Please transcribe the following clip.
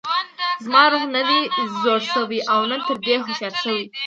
خو زما روح نه دی زوړ شوی او نه تر دې هوښیار شوی.